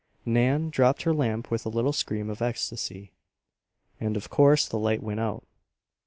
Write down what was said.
Nan dropped her lamp with a little scream of ecstasy, and of course the light went out.